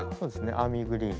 アーミーグリーン。